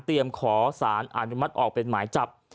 ขอสารอนุมัติออกเป็นหมายจับ